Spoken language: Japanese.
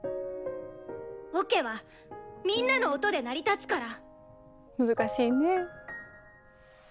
オケはみんなの音で成り立つから。